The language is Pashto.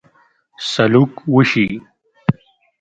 سلوک وشي.